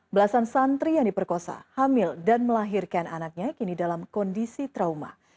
belasan santri yang diperkosa hamil dan melahirkan anaknya kini dalam kondisi trauma